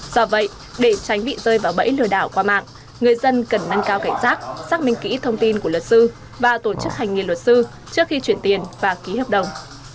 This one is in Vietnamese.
do vậy để tránh bị rơi vào bẫy lừa đảo qua mạng người dân cần nâng cao cảnh giác xác minh kỹ thông tin của luật sư và tổ chức hành nghề luật sư trước khi chuyển tiền và ký hợp đồng